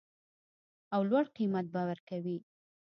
او لوړ قیمت به ورکوي